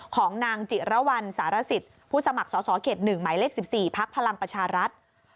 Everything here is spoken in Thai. ของนางจิระวัลสารสิทธิ์ผู้สมัครสศ๑หมายเลข๑๔ภักดิ์พลังประชารัฐ